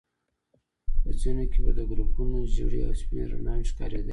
په ځينو کې به د ګروپونو ژيړې او سپينې رڼاوي ښکارېدلې.